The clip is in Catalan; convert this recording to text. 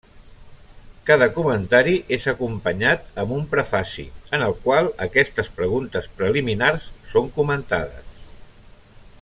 Cada comentari és acompanyat amb un prefaci, en el qual, aquestes preguntes preliminars són comentades.